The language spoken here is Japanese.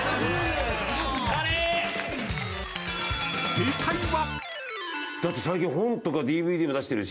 ［正解は？］